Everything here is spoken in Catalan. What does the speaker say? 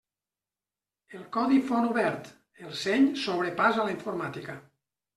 El codi font obert: el seny s'obre pas a la informàtica.